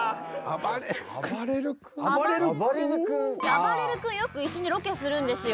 あばれる君よく一緒にロケするんですよ。